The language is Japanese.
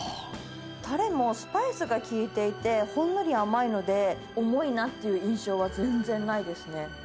たれもスパイスが利いていて、ほんのり甘いので、重いなっていう印象は全然ないですね。